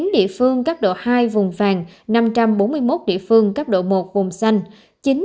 hai mươi chín địa phương cấp độ hai vùng vàng năm trăm bốn mươi một địa phương cấp độ một vùng xanh